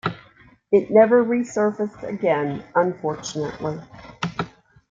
It never resurfaced again, unfortunately.